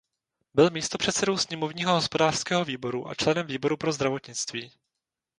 Byl místopředsedou sněmovního hospodářského výboru a členem výboru pro zdravotnictví.